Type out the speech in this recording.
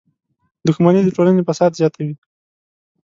• دښمني د ټولنې فساد زیاتوي.